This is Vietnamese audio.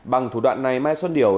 bằng thủ đoạn này mai xuân điểu